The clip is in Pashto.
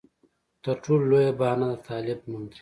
تر ټولو لویه بهانه د طالب نوم دی.